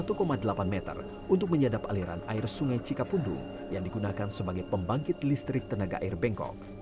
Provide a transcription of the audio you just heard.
sehingga gua ini lebih lebar satu delapan meter untuk menyadap aliran air sungai cikapundung yang digunakan sebagai pembangkit listrik tenaga air bangkok